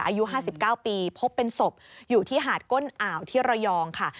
อายุ๕๙ปีพบเป็นศพอยู่ที่หาดก้นอ่าวที่ระยองค่ะ